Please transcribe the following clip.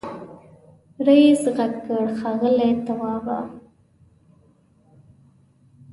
رئيسې غږ کړ ښاغلی توابه.